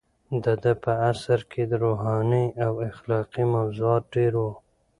د ده په عصر کې روحاني او اخلاقي موضوعات ډېر وو.